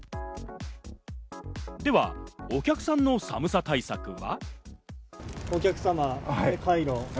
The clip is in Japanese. では、お客さんの寒さ対策は？